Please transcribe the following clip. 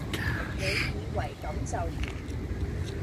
你以為咁就完?